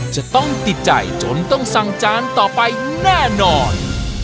จะต้องติดใจจนต้องสั่งจานต่อไปแน่นอน